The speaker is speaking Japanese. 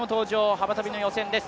幅跳びの予選です。